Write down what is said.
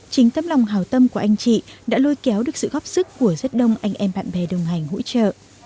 chính tâm lòng hào tâm của anh chị đã lôi kéo được sự góp sức của rất đông anh em bạn bè đồng hành hỗ trợ